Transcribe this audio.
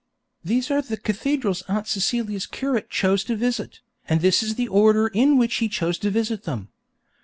These are the cathedrals Aunt Celia's curate chose to visit, and this is the order in which he chose to visit them.